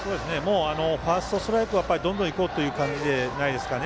ファーストストライクはどんどんいこうという感じじゃないですかね。